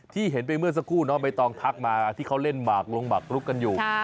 ที่เห็นไปเมื่อสักครู่น้องใบตองทักมาที่เขาเล่นหมากลงหมากรุกกันอยู่